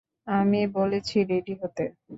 আমি বলেছি রেডি হতে।